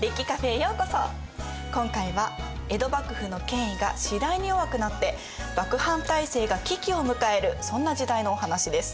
今回は江戸幕府の権威が次第に弱くなって幕藩体制が危機を迎えるそんな時代のお話です。